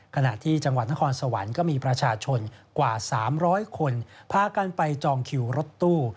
ขณะที่จังหวัดนครสวรรค์ก็มีประชาชนกว่า๓๐๐คนพากันไปจองคิวรถตู้